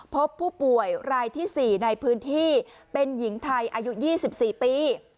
พบผู้ป่วยรายที่๔ในพื้นที่เป็นหญิงไทยอายุ๒๔ปี